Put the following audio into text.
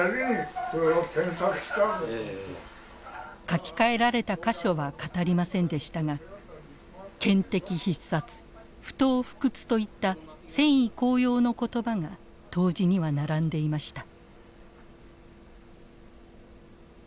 書き換えられた箇所は語りませんでしたが見敵必殺不撓不屈といった戦意高揚の言葉が答辞には並んでいました。